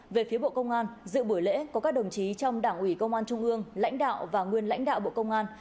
về phía bộ công an dự buổi lễ có các đồng chí trong đảng ủy công an trung ương lãnh đạo và nguyên lãnh đạo bộ công an